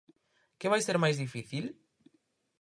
Que vai ser máis difícil?